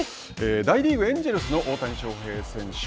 大リーグ、エンジェルスの大谷翔平選手。